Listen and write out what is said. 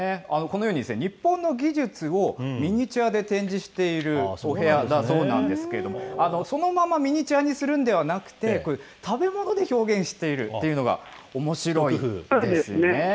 このように、日本の技術をミニチュアで展示しているお部屋だそうなんですけれども、そのままミニチュアにするんではなくて、食べ物で表現してそうですね。